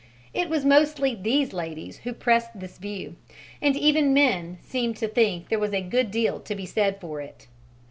It was mostly these ladies who pressed this view, and even men seemed to think there was a good deal to be said for it.